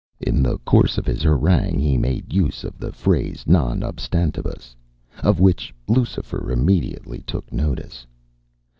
In the course of his harangue he made use of the phrase non obstantibus, of which Lucifer immediately took a note.